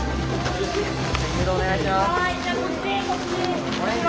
誘導お願いします。